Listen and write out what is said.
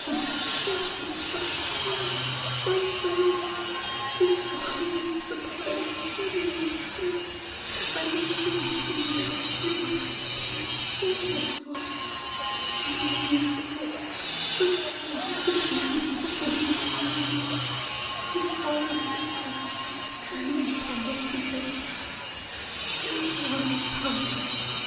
"My son, my son! My Feodor! His soul is the prey of some evil spirit — and it seems to me as if you are that spirit's form and voice! You are beautiful — but not with merely a woman's beauty! — his science has called some strange power to him — you are that power!